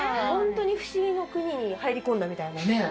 本当に不思議の国に入り込んだみたいなね。